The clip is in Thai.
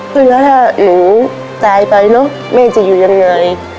คือถ้าหรือตายไปเนอะแม่จะอยู่ยังไง